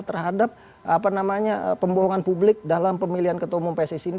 terhadap pembohongan publik dalam pemilihan ketua umum pssi ini